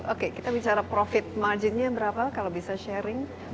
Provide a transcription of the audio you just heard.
oke kita bicara profit marginnya berapa kalau bisa sharing